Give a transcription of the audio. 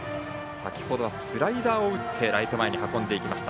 先ほどスライダーを打ってライト前に運びました。